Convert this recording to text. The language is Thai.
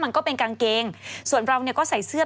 มันก็เป็นกางเกงส่วนเราก็ใส่เสื้อ